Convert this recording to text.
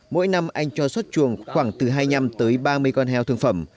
mỗi năm anh cho xuất chuồng khoảng từ hai nhăm tới ba mươi con heo thương phẩm